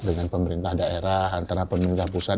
dengan pemerintah daerah antara pemerintah pusat